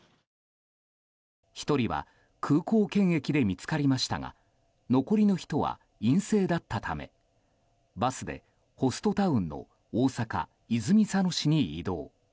１人は空港検疫で見つかりましたが残りの人は陰性だったためバスでホストタウンの大阪・泉佐野市に移動。